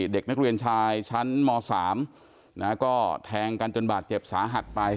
เด็กนักเรียนชายชั้นม๓ก็แทงกันจนบาดเจ็บสาหัสไป